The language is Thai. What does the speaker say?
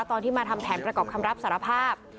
ตอนที่มาทำแผนประกอบคำรับสารภาพ